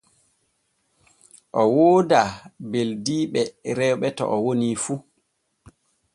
O woodaa beldiiɓe rewɓe to o woni fu.